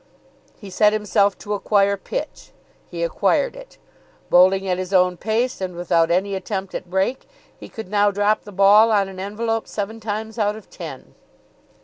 He set himself to acquire pitch. He acquired it. Bowling at his own pace and without any attempt at break, he could now drop the ball on an envelope seven times out of ten.